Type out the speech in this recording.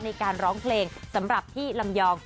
ในการร้องเพลงสำหรับพี่ลำยอง